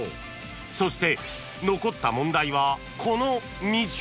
［そして残った問題はこの３つ］